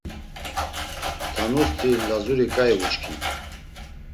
Tanusti Lazuri ǩai uçkin.